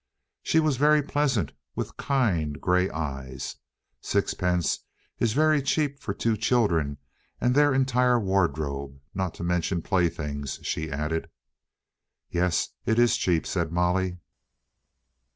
She was very pleasant, with kind, grey eyes. "Sixpence is very cheap for two children and their entire wardrobe, not to mention play things," she added. "Yes, it is cheap," said Molly.